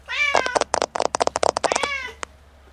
ელიფსური გალაქტიკები უფრო ცენტრშია თავმოყრილი.